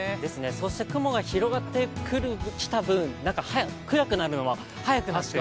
そして雲が広がってきたぶん、暗くなるのは早くなりますね。